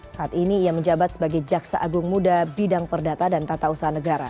saat ini ia menjabat sebagai jaksa agung muda bidang perdata dan tata usaha negara